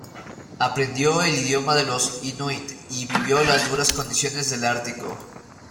Aprendió el idioma de los inuit y vivió las duras condiciones del Ártico.